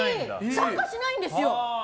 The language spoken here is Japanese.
酸化しないんですよ。